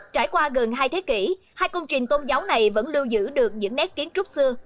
trải qua gần hai thế kỷ hai công trình tôn giáo này vẫn lưu giữ được những nét kiến trúc xưa